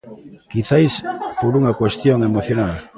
Quizais por unha cuestión emocional.